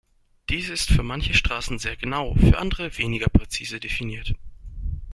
Diese ist für manche Straßen sehr genau, für andere weniger präzise definiert.